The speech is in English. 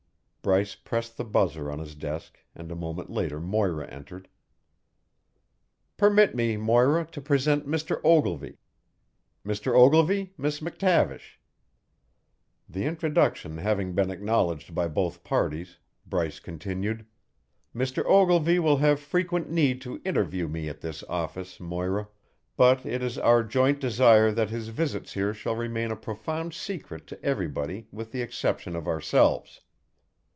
Bryce pressed the buzzer on his desk, and a moment later Moira entered. "Permit me, Moira, to present Mr. Ogilvy. Mr. Ogilvy, Miss McTavish." The introduction having been acknowledged by both parties, Bryce continued: "Mr. Ogilvy will have frequent need to interview me at this office, Moira, but it is our joint desire that his visits here shall remain a profound secret to everybody with the exception of ourselves.